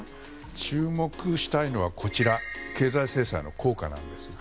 注目したいのは経済制裁の効果です。